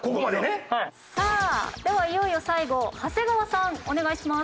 さあではいよいよ最後長谷川さんお願いします。